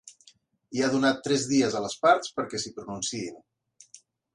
I ha donat tres dies a les parts perquè s’hi pronunciïn.